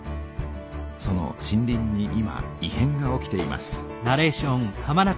その森林に今い変が起きています。